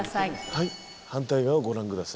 はい反対側をご覧ください。